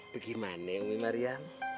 bagaimana umi maryam